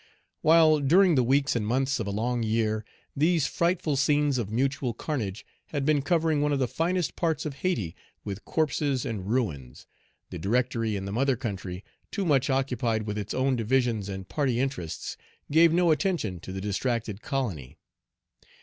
While, during the weeks and months of a long year, these frightful scenes of mutual carnage had been covering one of the finest parts of Hayti with corpses and ruins, the Directory in the mother country, too much occupied with its own divisions and party interests, gave no attention to the distracted colony.